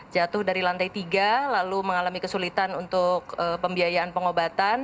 jatuh dari lantai tiga lalu mengalami kesulitan untuk pembiayaan pengobatan